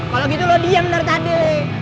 kalau gitu lo diam ntar tadi